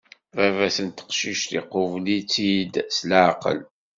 Baba-s n teqcict, iqubel-itt-id s leɛqel.